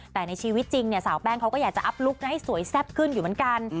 แต่ในชีวิตจริงเนี่ยสาวแป้งเขาก็อยากจะอัพลุคให้สวยแซ่บขึ้นอยู่เหมือนกัน